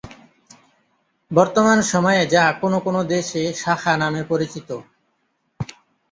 বর্তমান সময়ে যা কোনো কোনো দেশে "শাখা" নামে পরিচিত।